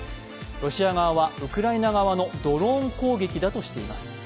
ロシア側はウクライナ側のドローン攻撃だとしています。